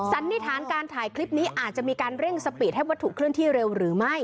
สันนิษฐานการถ่ายคลิปนี้อาจจะมีการเร่งสปีดให้วัตถุเคลื่อนที่เร็วหรือไม่